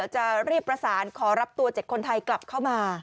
จะรีบประสานขอรับตัว๗คนไทยกลับเข้ามา